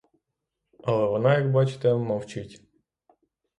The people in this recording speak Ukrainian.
Але вона, як бачите, мовчить.